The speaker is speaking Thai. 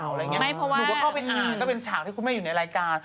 หนูก็เข้าไปอ่านก็เป็นฉากที่คุณแม่อยู่ในรายการ